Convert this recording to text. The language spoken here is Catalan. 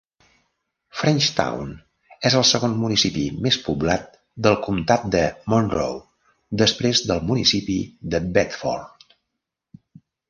Frenchtown és el segon municipi més poblat del Comtat de Monroe després del municipi de Bedford.